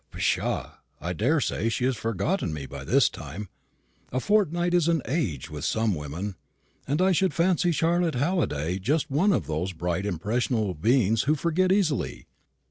"Pshaw! I daresay she has forgotten me by this time. A fortnight is an age with some women; and I should fancy Charlotte Halliday just one of those bright impressionable beings who forget easily.